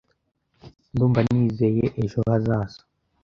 Ndumva nizeye ejo hazaza.